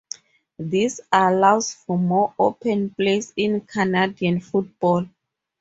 This allows for more open plays in Canadian football.